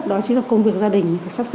đó chính là công việc gia đình